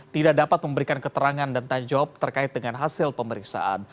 tidak dapat memberikan keterangan dan tanggung jawab terkait dengan hasil pemeriksaan